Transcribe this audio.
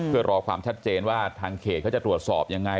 เพื่อรอความชัดเจนว่าทางเขตเขาจะตรวจสอบยังไง